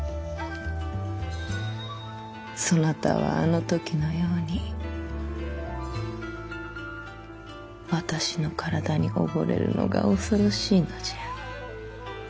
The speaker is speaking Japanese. そなたはあの時のように私の体に溺れるのが恐ろしいのじゃ。